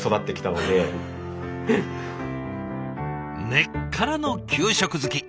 根っからの給食好き。